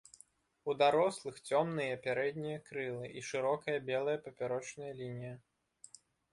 У дарослых цёмныя пярэднія крылы і шырокая белая папярочная лінія.